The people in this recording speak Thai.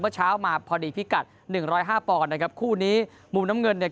เมื่อเช้ามาพอดีพิกัด๑๐๕ปอนด์นะครับคู่นี้มุมน้ำเงินเนี่ย